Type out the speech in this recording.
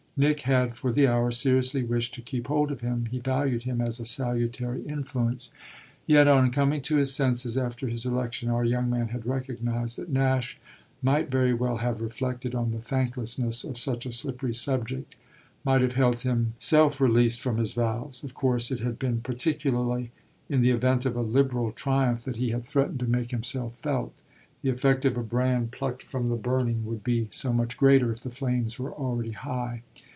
Nick had for the hour seriously wished to keep hold of him: he valued him as a salutary influence. Yet on coming to his senses after his election our young man had recognised that Nash might very well have reflected on the thanklessness of such a slippery subject might have held himself released from his vows. Of course it had been particularly in the event of a Liberal triumph that he had threatened to make himself felt; the effect of a brand plucked from the burning would be so much greater if the flames were already high.